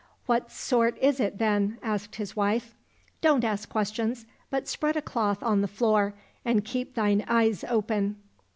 —" What sort is it, then ?" asked his wife. —" Don't ask questions, but spread a cloth on the floor and keep thine eyes open."